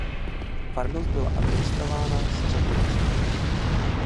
Farnost byla administrována z Třeboně.